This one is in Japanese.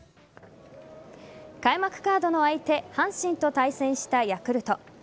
開幕カードの相手阪神と対戦したヤクルト。